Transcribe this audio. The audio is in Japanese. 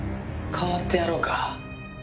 代わってやろうか？